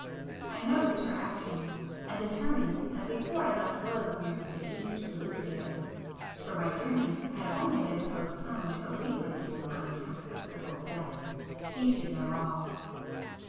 I noticed her action, and determined that before I left Willowsmere for the East with Lucio (for my journey had only been postponed a week or two on account of Sibyl's death) she should know all.